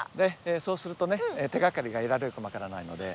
そうするとね手がかりが得られるかも分からないので。